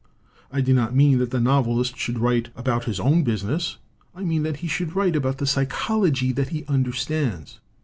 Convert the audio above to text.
"I do not mean that the novelist should write about his own business. I mean that he should write about the psychology that he understands.